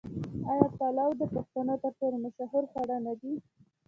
آیا پلو د پښتنو تر ټولو مشهور خواړه نه دي؟